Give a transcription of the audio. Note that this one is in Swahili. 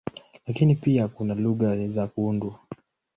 Lakini pia kuna lugha za kuundwa.